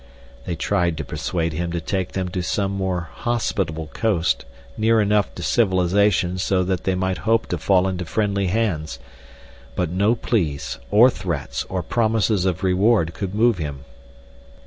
They tried to persuade him to take them to some more hospitable coast near enough to civilization so that they might hope to fall into friendly hands. But no pleas, or threats, or promises of reward could move him.